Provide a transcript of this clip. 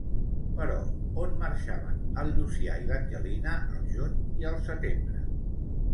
Però on marxaven el Llucià i l'Angelina al juny i al setembre?